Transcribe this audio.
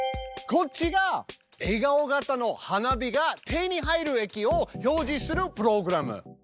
こっちが笑顔形の花火が手に入る駅を表示するプログラム。